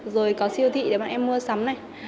rồi có siêu thị để bọn em mua sắm này